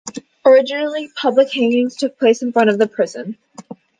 Originally, public hangings took place at the front of the prison.